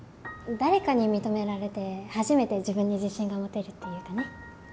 誰かに認められて初めて自分に自信が持てるっていうかね。